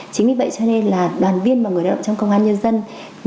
chính vì vậy cho nên là đoàn viên và người lao động trong công an nhân dân